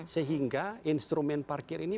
sehingga instrumen parkir ini